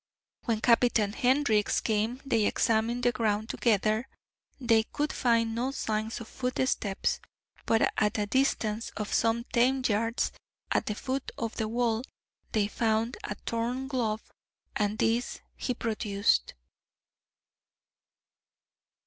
When Captain Hendricks came they examined the ground together. They could find no signs of footsteps, but at a distance of some ten yards, at the foot of the wall, they found a torn glove, and this he produced.